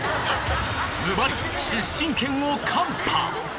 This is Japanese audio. ズバリ出身県を看破！